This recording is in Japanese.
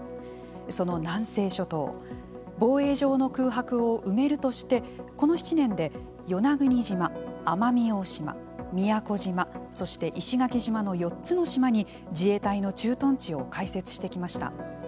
その南西諸島防衛上の空白を埋めるとしてこの７年で、与那国島奄美大島、宮古島そして石垣島の４つの島に自衛隊の駐屯地を開設してきました。